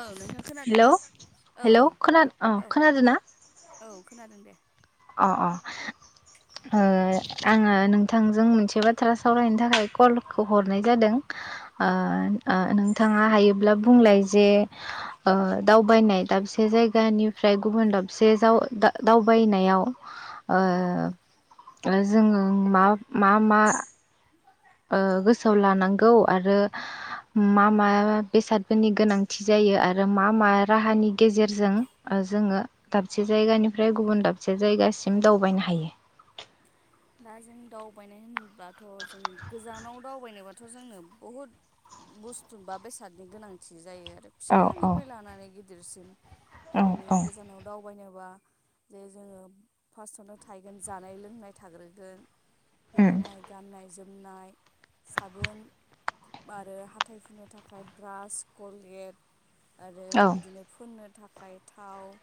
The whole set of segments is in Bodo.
औ नोंथाङां खोनादों हेलौ ना औ हेलौ -औ खोना -औ खोनादोंना -औ। खोनादों दे। अ -अ। ओ आङो नोंथांजों मोनसे बाथ्रा सावरायनो थाखाय कलखौ हरनाय जादों। औ ओ औ दे -ओ नों थाङा हायोब्ला बुंलाय जे दावबायनाय दाबसे जायगानिफ्राय गुबुन दाब दाबसे जाव-दावबाय ओ औ औ जोङो मा- मा- मा गोसोआव लानांगौ आरो मा -मा बेसादफोरनि गोनांथि जायो आरो मा- मा राहानि गेजेरजों जोङो दाबसे जायगानिफ्राय गुबुन दाबसे जायगासिम दावबायनो हायो? दा जों दावबायनाय होनब्लाथ' जों गोजानाव दावबायनोबाथ' जोंनो बहुद बुस्थु बा बेसादनि गोनांथि। जायो आरो औ औ फिसानिफ्राय लानानै गिदिरसिम औ जेरै नों औ गोजानाव दाउ बायनोबा जे जोङो फार्स्टआवनो थाहैगोन जानाय- लोंनाय थाग्रोगोन बेनि उम उनाय गाननाय- जोमनाय, साबोन आरो हाथाय फुनो थाखाय ब्रास, कलगेट आरो औ बिदिनो फुन्नो थाखाय थाव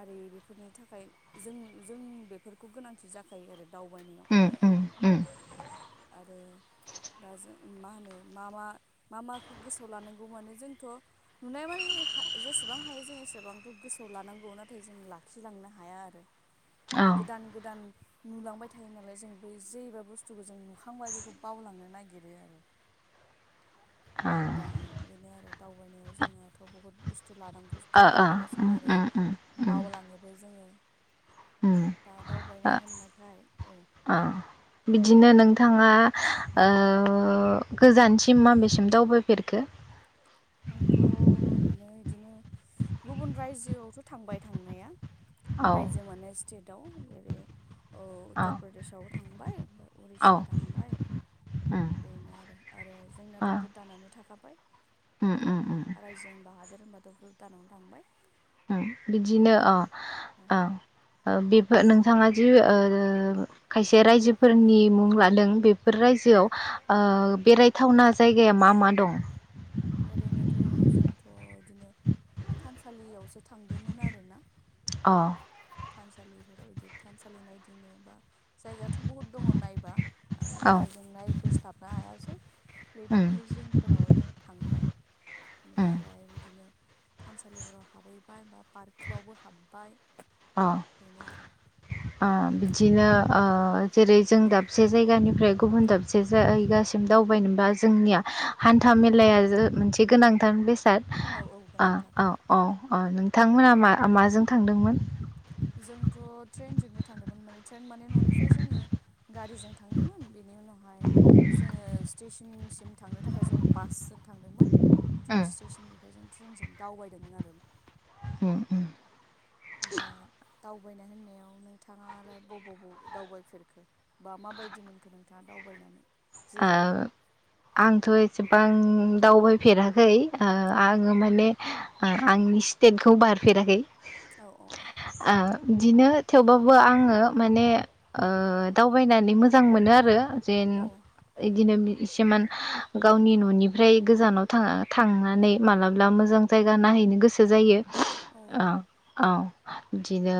आरि बेफोरनि थाखाय जों -जों बेफोरखौ गोनांथि जाखायो आरो। दावबायनायाव उम उम उम आरो [inaudible] [unintelligible] दा जों मा होनो मा मा मा माखौ गोसोआव लानांगौ माने जोंथ' नुनाय मे जेसेबां हायो जों एसेबांथ' गोसोआव लानांगौ नाथाय जों लाखिलांनो हाया आरो औ गोदान गोदान नुलांबाय थायो नालाय जों बै जेबा बुस्थुखौ जों नुखांबाय बेखौ बावलांनो नागिरो आरो दा बेनो आरो दावबायनायाव जोङथ' बहुत बुस्थु बुस्थु लानांगौ ओ थायो ओ मालाबा समाव उम आरो उम उम उम बावलाङोबो जोङो उम दा दावबायनानै ओ होननायखाय औ ओ बिदिनो नोंथाङा गोजानसिम माबेसिम दावबायफेरखो आंथ' ओरैनो बिदिनो गुबुन रायजोआवथ' थांबाय थांनाया औ रायजो मोननाय स्टेटआव जेरै औ उत्तर प्रदेशआव थांबाय औ उरिसा थांबाय उम बेनो आरो आरो ओ जोंनाथ' भुटानानो थाखाबाय। उम उम बेलेग उम रायजो होनबा हादोर होनबाथ' भुटानावनो थांबाय। बिदिनो दा अ औ। ओ बेफोर नोंथाङा जि ओ खायसे रायजोफोरनि मुं लादों बे बेफोर औ रायजोआव ओ बेरायथावना जायगाया मा मा दं? ओरैनोथ' जोंथ' बिदिनो थानसालियावसो थांदोंमोन आरोना। अ। थानसालिफोराव बिदि थानसालि नायदिंनो बा जायगायाथ' बहुद दङ नायबा। आरो औ नाथाय जों नायबोस्लाबनो हायासै उम लैथोनि जिंफोराव जों थांबाय। उम बेनिफ्राय बिदिनो थानसालिफोराव हाबहैबाय बा पार्क बावबो हाब्बाय। अ बेनो आरो। ओ बिदिनो जेरै जों दाबसे जायगानिफ्राय गुबुन दाबसे जायगासिम दाव बायनोबा जोंनिया हान्था मेलाया मोनसे गोनांथार बेसाद। औ औ गोनांथार औ। अ नोंथांमोना मा माजों थांदोंमोन? जोंथ' ट्रेइनजोंनो थांदोंमोन माने ट्रेइन माने न'निफ्राय जोङो गारिजों थांदोंमोन, बेनि उनावहाय जोङो स्टेसन सिम थांनो थाखाय जों बास जों थांदोंमोन उम ट्रेइन स्टेसननिफ्राय जों ट्रेइनजों दावबायदोंमोन आरो। उम उम। दा दावबायनाय होननायाव नोंथाङालाय बबाव बाव दावबायफेरखो? बा माबायदि मोनखो नोंथाङा दावबायनानै? जे जायगायाव ओ आंथ' एसेबां दावबायफेराखै। ओ औ आङो माने आंनि स्टेटखौ बारफेराखै। औ औ औ। ओ बिदिनो थेवबाबो आङो माने ओ दावबायनानै मोजां मोनो आरो। जेन औ इदिनो एसेमान गावनि न'निफ्राय गोजानाव थाङा थांनानै मालाबा मोजां मोजां जायगा नायहैनो गोसो जायो। औ। ओ औ बिदिनो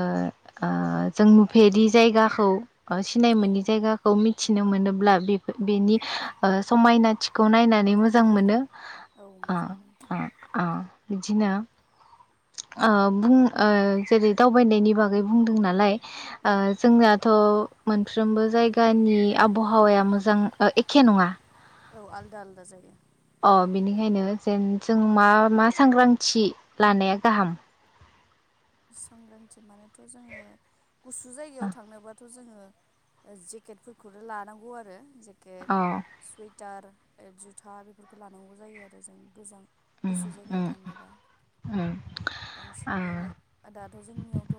ओ जों नुफेरि जायगाखौ ओ सिनाय औ मोननि जायगाखौ औ मिथिनो मोनोब्ला बे बेनि ओ समायनाथिखौ नायनानै मोजां मोनो‌ औ ओ मोजां मोनो ओ ओ बिदिनो ओ बुं ओ जेरै दावबायनायनि बागै बुंदों नालाय औ ओ जोंनाथ' मोनफ्रोमबो जायगानि आबहावाया मोजां एखे नङा। औ आलदा आलदा जायो। अ बिनिखायनो जेन जों मा मा सांग्रांथि लानाया गाहाम? सांग्रांथि मानेथ' जोङो गुसु जायगायाव थांनोबा थ थ जोङो ओ जेकेटफोरखौनो लानांगौ आरो जेकेट अ सुइट टार ओ जुथा बेफोरखौ लानांगौ जायो आरो जों गोजां उम गुसु जायगायाव उम थांनोबा, उम बांसिन आ बेवहाय दाथ' जोंनियावथ'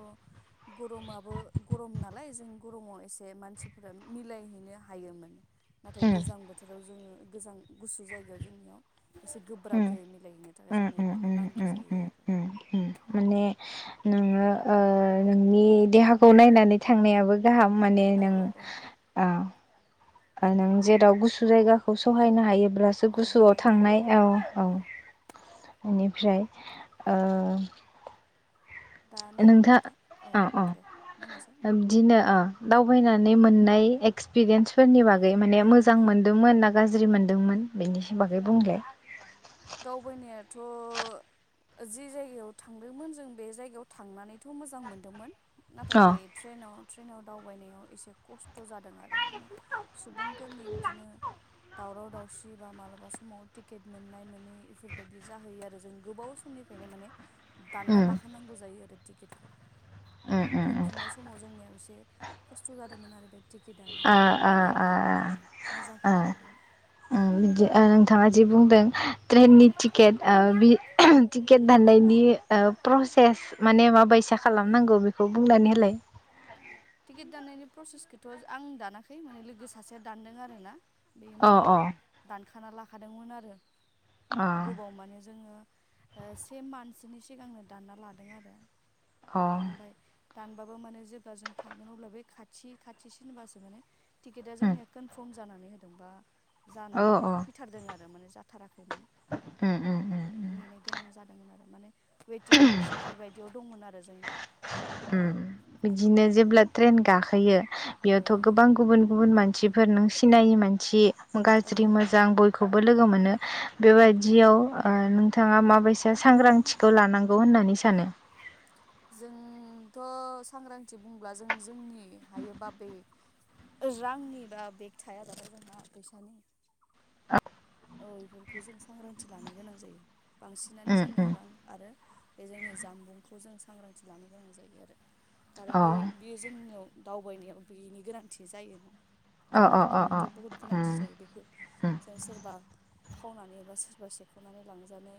गरमाबो गरम नालाय जों गरमाव एसे मानसिफोरा मिलायहैनो हायोमोन। नाथाय गोजां बोथोराव जोङो गोजां गुसु जायगायाव जोंनियाव एसे उम गोब्राब जायो मिलायहैनो थाखाय उम जोंनो उम उम बेफोरखौ नांगौ उम जायो उम आरो। उम उम माने नोङो ओ नोंनि देहाखौ नायनानै थांनायाबो गाहाम माने आरो नों औ औ ओ ओ नों जेराव गुसु जायगाखौ सहायनो हायो ब्लासो औ गुसुआव बेवहाय थां थांनाय औ औ इनिफ्राय ओ दा नों नोंथां था औ अ अ दे बुंनायसाय नोंथां बिदिनो अ दावबायनानै मोननाय एक्सपिरियेन्सफोरनि बागै माने मोजां मोनदोंमोन ना गाज्रि मोनदोंमोन? बेनि सिम बागै बुं दे। दावबायनायाथ ओ जि जायगायाव थांदोंमोन जों बे जायगायाव थांनानैथ मोजां मोनदोमोन। नाथाय अ बे ट्रेनाव ट्रेनाव दावबायनायाव एसे खस्थ जादों जादों आरो माने सुबुंफोरनि बिदिनो दावराव दावसि बा मालाबा समाव टिकेट मोननाय मोन माने बेफोरबायदि जाहैयो आरो जों गोबाव समनिफ्रायनो माने दानना उम लाखानांगौ जायो आरो। टिकेट। उम उम उम फैफिननाय समाव जोंनियाव एसे खस्थ जादोंमोन आरो बे टिकेटआनो आ आ आ बाखिथ' आ आ मोजांखौनो मोनदोंमोन उम बिदि आं बिथाङा जि बुंदों औ ट्रेननि टिकेट आ बि आहोम टिकेट दान्नायनि ओ प्र सेस माने माबैसा खालामनांगौ बेखौ बुंनानै होलाय। टिकेट दाननायनि प्रसेसखौथ आं दानाखै माने लोगो सासेया दानदों आर ना। बे अ माने अ दानखाना लाखादोंमोन आरो अ गोबाव माने जोङो ओ से मान्थसोनि सिगांनो दानना लादों आरो। अ ओमफ्राय दानबाबो माने जेब्ला जों थांगोन अब्ला बे खाथि खाथिसिनबासो माने टिकेटआ उम जोंनिया कनफार्म जानानै होदों बा औ जानानै फैथारदों आरो माने जाथाराखैमोन। उम उम उम नेनो गोनां जादोंमोन आरो। माने वेटिं लिस्ट बेफोरबायदियाव दंमोन आरो जोंनिया। उम बिदिनो जेब्ला ट्रेन गाखोयो औ बेयावथ गोबां गुबुन गुबुन मानसिफोर नों सिनायि मानसि औ गाज्रि औ औ मोजां बयखौबो लोगो मोनो। औ मोनो बेबायदियाव ओ नों थाङा माबायसा सांग्रांथिखौ लानांगौ होननानै सानो? जोंथ सांग्रांथि बुंब्ला जों जोंनि हायो बा बै रांनि बा बेग थाया दाला जोंहा फैसानि औ। ओ इफोरखौ जों सांग्रांथि लानो गोनां जायो बांसिनानो उम उम जोंनियाव रां आरो बे जोंनि जामबुंखौ जों सांग्रांथि लानो गोनां जायो आरो खारन अ बे बेयो जोंनियाव दावबायनायाव बेनि गोनांथि जायोना। अ रां अ अ रुफानिथ अ बहुद गोनांथि जायो उम बेखौ जों सोरबा खावनानै एबा सोरबा सेखनानै लांजानो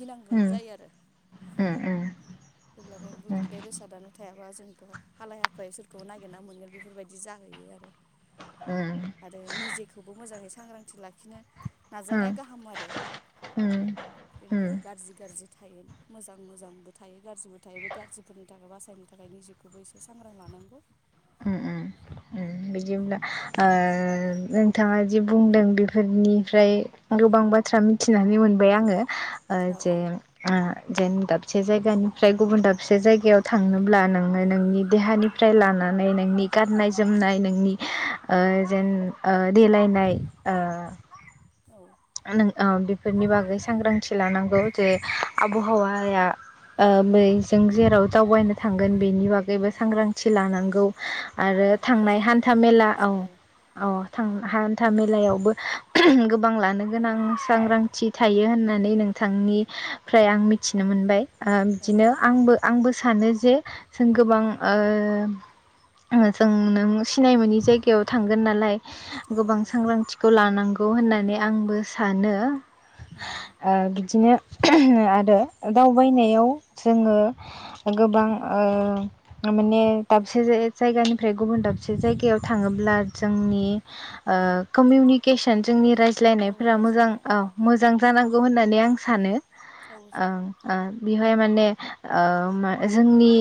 गिनांगोन उम जायो आरो उम उम जेब्ला बे उम बे बेसादानो थाया। थायाबा जोंथ हालाय हाफाय सोरखौ नागिरना मोनगोन बेफोरबायदि जाहैयो आरो उम आरो निजेखौबो मोजाङै सांग्रांथि लाखिनो उम नाजानाया गाहाम आरो उम ओरैनो उम गाज्रि गाज्रि थायोना मोजां मोजांबो थायो गाज्रिबो थायो बे गाज्रिफोरनि थाखाय बासायनो थाखाय निजेखौबो एसे सांग्रां लानांगौ बिदि होनब्ला ओ नोंथाङा जि बुंदों बेफोरनि बेनिफ्राय गोबां बाथ्रा मिथिनानै मोनबाय आङो औ जे जेन दा दाबसे जायगानिफ्राय गुबुन दाबसे जायगायाव थांनोब्ला नोङो नोंनि देहानिफ्राय लानानै नोंनि गाननाय जोमनाय नोंनि ओ जेन देलायनाय औ नों बेफोरनि बागै सांग्रांथि लानांगौ जे आबहावाया ओ बेै जों जेराव दावबायनो थांगोन बेनि बागैबो औ सांग्रांथि लानांगौ आरो औ बे थांनाय जायगानि हान्था बागैथ' मेला औ मिथिनो औ थां हान्था मेलायावबो गोबां लानो गोनां सांग्रांथि थायो होननानै नोंथांनिफ्राय आं मिथिनो मोनबाय औ बिदिनो आंबो आंबो सानो जे जों गोबां ओ जों नों सिनाय मोनोनि जायगायाव थांगोन नालाय औ गोबां औ सांग्रांथिखौ लानांगौ होननानै आंबो सानो उम ओ बिदिनो आरो दावबायनायाव जोङो गोबां ओ माने दाबसे जायगानिफ्राय गुबुन दाबसे जायगायाव थाङोब्ला जोंनि ओ कमुइउनिखेसन जोंनि औ रायज्लायनायफोरा मोजां औ रायज्लायनायाव मोजां जानांगौ होननानै आं सानो औ सार अ बिहाय माने ओ जोंनि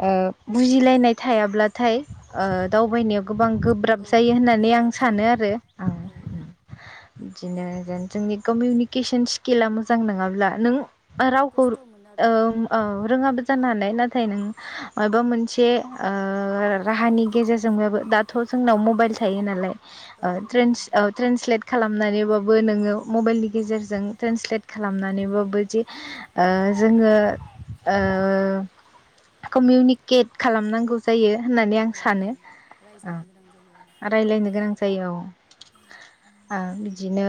ओ बुजिलायनाय थायाब्लाथाय ओ दावबायनायाव गोबां गोब्राब औ जायो होननानै आं गोब्राब सानो जायो आरो औ औ बिदिनो जोंनि कमिउनिकेसन स्किला मोजां नङाब्ला नों रावखौ खस्थ' मोनो ओ आरो ओ रोङाबो जानो हानाय नाथाय माबा मोनसे ओ राहानि गेजेरजोंबाबो दाथ जोंनाव मबाइल थायो नाल औ औ ट्रेन्स मबाइल ओ ट्रेन्सलेट खालामनानै बाबो नोङो मबाइनि गेजेरजों ट्रेन्सलेट खालामनानै बो ओ जोङो ओ कमिउनिकेट खालामनांगौ जायो होननानै आं औ औ सानो औ रायज्लायनो गोनां जायो औ राय्लायनो गोनां जायो औ औ बिदिनो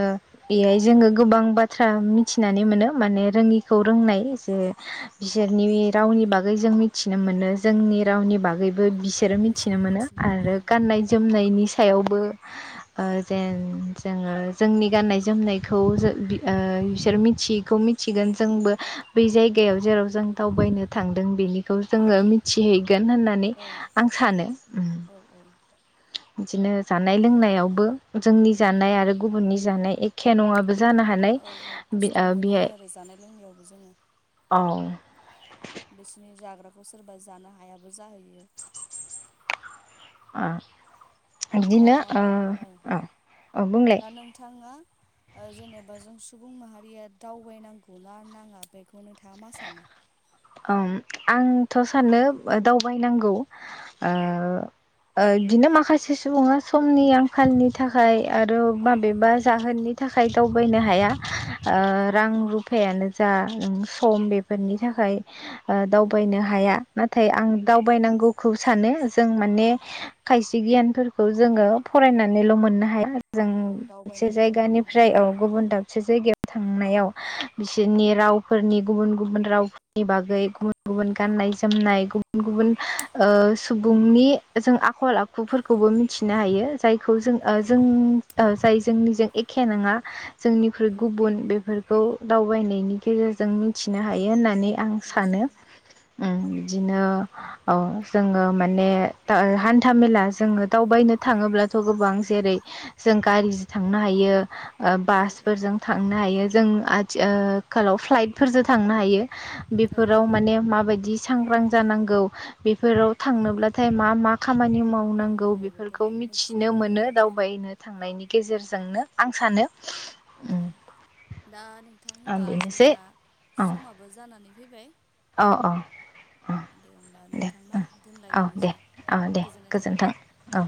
बेहाय जोङो गोबां बाथ्रा मिथिनानै मोनो माने रोङिखौ रोंनाय जे बिसोरनि रावनि बागै जों मिथिनो मोनो जोंनि रावनि औ बागैबो बिसोरो मिथिनो मोनो आरो गाननाय जोमनायनि सायावबो ओ जेन जोङो जोंनि गाननाय जोमनायखौ बिसोर मिथियैखौ मिथिगोन जोंबो बै जायगायाव जेराव जों दावबायनो थांदों बेनि बेखौ औ जोङो मिथिहैगोन होननानै औ आं सानो औ औ बिदिनो जानाय लोंनायावबो जोंनि जानाय आरो गुबुननि जानाय एखेया नङाबो जानो हानाय औ औ बे ओ खस्थ बेहाय मोनहैयो आरो जानाय लोंनायावबो जोङो औ बिसोरनि जाग्राखौ सोरबा जानो हायाबो जाहैयो दा बिदिनो औ औ बुंलाय दा नोंथाङा जेनेबा जों सुबुं माहारिया दावबायनांगौना नाङा बेखौ नोंथाङा मा सानो आंथ सानो दावबायनांगौ ओ ओ बिदिनो माखासे सुबुङा समनि आंखालनि थाखाय आरो दावबायनो माबेबा हाया आरो जाहोननि औ थाखाय दावबायनो हाया ओ रां रुफायानो जा सम बेफोरनि थाखाय ओ औ दावबायनो हाया नाथा नाथाय आं दावबायनांगौखौ सानो जों औ माने खायसे गियानफोरखौ जोङो फराय होननानैल' मोननो हाया जों औ मोनसे दावबायनानैबो मोननो जायगानिफ्राय हायो गुबुन दाब ससे जायगायाव थांनायाव बिसोरनि रावफोरनि गुबुन-गुबुन राव नि बागै गुबुन-गुबुन गाननाय जोमनाय गुबुन-गुबुन ओ सुबुंनि जों आखल आखुफोरखौबो मिथिनो हायो जाय खौ औ जों-जों औ जाय जोंनिजों एखे नङा जोंनिख्रुय औ गुबुन बेफोर खौ दावबायनायनि गेजेरजों मिथिनो हायो होननानै आं सानो मिथिनो उम औ बिदिनो जोङो माने हान्था मेला जोङो दावबायनो थाङोब्लाथ' गोबां जेरै जों जों गारि जो थांनो हायो। ओ औ औ बासफोरजों थांनो हायो जों आथिखालाव फ्लाइटफोरजों थांनो हायो। औ बेफोराव माने माबायदि बिदि सांग्रां जानांगौ बेफोराव थांनोब्लाथाय मा मा खामानि माव नांगौ बेफोरखौ मिथिनो मोनो दावबायनो थांनायनि गेजेरजों। जोंनो आं सानो उम दा नोंथां होनबा बेनोसै जोंना समाबो जानानै फैबाय अ-अ दे होमबा नोंथां ना औ दे दोनलायदिनोसै औ दे गोजोननाय थाबाय। गोजोन्थों औ